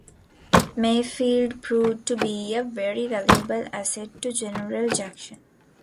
Mayfield proved to be a very valuable asset to General Jackson.